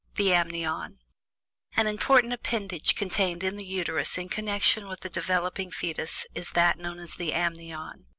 THE AMNION. An important appendage contained in the Uterus in connection with the developing fetus is that known as "The Amnion."